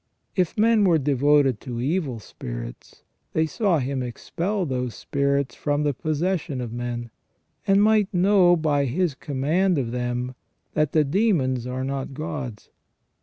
If men were devoted to evil spirits, they saw Him expel those spirits from the possession of men, and might know by His command of them that the demons are not gods.